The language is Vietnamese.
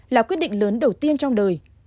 là quyết định lớn đầu tiên trong đời